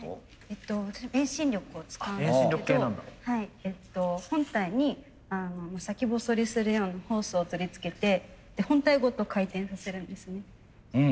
私も遠心力を使うんですけど本体に先細りするようなホースを取り付けて本体ごと回転させるんですね。